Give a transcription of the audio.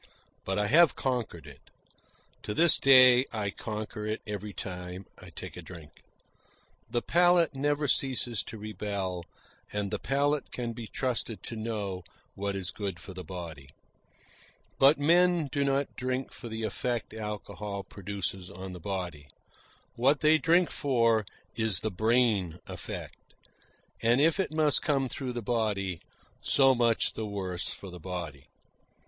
But I have conquered it. To this day I conquer it every time I take a drink. The palate never ceases to rebel, and the palate can be trusted to know what is good for the body. But men do not drink for the effect alcohol produces on the body. What they drink for is the brain effect; and if it must come through the body, so much the worse for the body.